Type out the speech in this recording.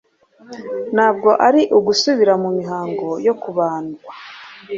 ntabwo ari ugusubira mu mihango yo kubandwa